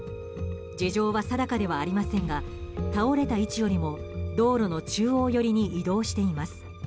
事情は定かではありませんが倒れた位置よりも道路の中央寄りに移動しています。